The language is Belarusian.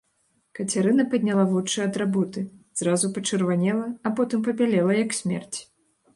Кацярына падняла вочы ад работы, зразу пачырванела, а потым пабялела як смерць.